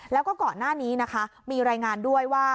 แล้วก็ก่อนหน้านี้นะคะมีรายงานด้วยว่า